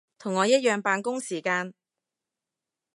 同我一樣扮工時間